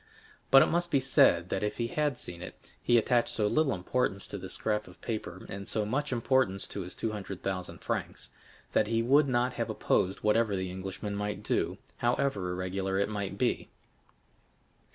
But it must be said that if he had seen it, he attached so little importance to this scrap of paper, and so much importance to his two hundred thousand francs, that he would not have opposed whatever the Englishman might do, however irregular it might be.